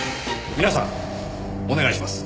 皆さんお願いします。